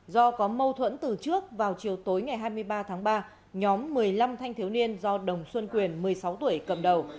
do có mâu thuẫn từ trước vào chiều tối ngày hai mươi ba tháng ba nhóm một mươi năm thanh thiếu niên do đồng xuân quyền một mươi sáu tuổi cầm đầu